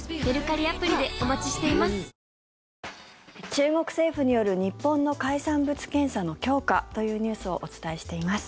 中国政府による日本の海産物検査の強化というニュースをお伝えしています。